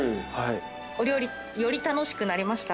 お料理より楽しくなりました？